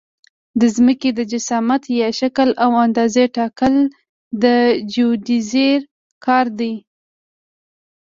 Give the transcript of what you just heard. د ځمکې د جسامت یا شکل او اندازې ټاکل د جیودیزي کار دی